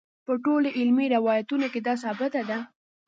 په ټولو علمي روایتونو کې دا ثابته ده.